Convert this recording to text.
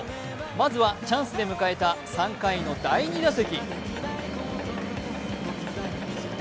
まずは、チャンスで迎えた３回の第２打席。